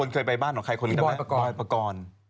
เคยไปบ้านของใครคนอีกแล้วมั้ยบอยประกรณ์